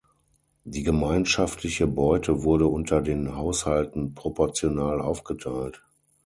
Die gemeinschaftliche Beute wurde unter den Haushalten proportional aufgeteilt.